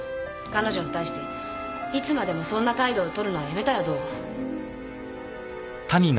彼女に対していつまでもそんな態度をとるのはやめたらどう？